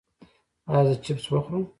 ایا زه چپس وخورم؟